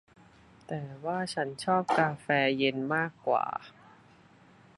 แต่ว่าฉันชอบกาแฟเย็นมากกว่า